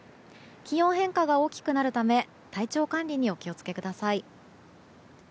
気温変化が大きくなるため体調管理にお気を付けください。